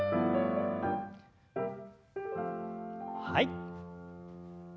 はい。